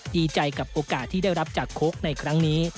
ดีใจกับโอกาสที่ได้รับจากโค้กในครั้งนี้